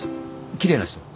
奇麗な人？